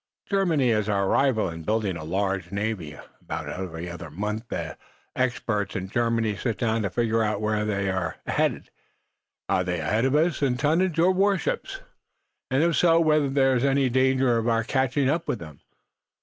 Germany is our rival in building a large navy. About every other month the experts in Germany sit down to figure whether they are anything ahead of us in the tonnage of warships, and, if so, whether there is any danger of our catching up with them.